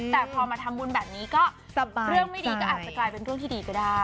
แต่พอมาทำบุญแบบนี้ก็สบายเรื่องไม่ดีก็อาจจะกลายเป็นเรื่องที่ดีก็ได้